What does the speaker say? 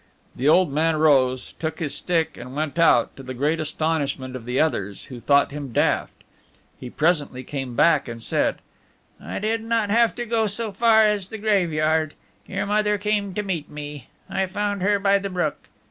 The old man rose, took his stick, and went out, to the great astonishment of the others, who thought him daft. He presently came back and said: "I did not have to go so far as the graveyard; your mother came to meet me; I found her by the brook.